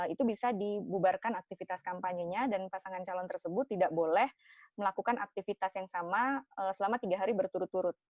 itu bisa dibubarkan aktivitas kampanye nya dan pasangan calon tersebut tidak boleh melakukan aktivitas yang sama selama tiga hari berturut turut